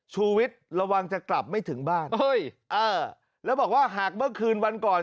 ชูวิทย์ระวังจะกลับไม่ถึงบ้านเฮ้ยเออแล้วบอกว่าหากเมื่อคืนวันก่อน